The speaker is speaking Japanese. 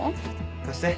貸して。